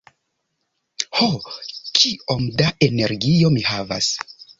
Ho, kiom da energio mi havas?